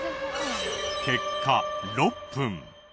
結果６分。